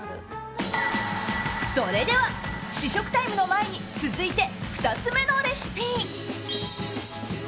それでは、試食の前に続いて２つ目のレシピ。